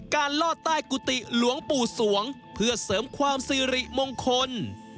ลอดใต้กุฏิหลวงปู่สวงเพื่อเสริมความสิริมงคล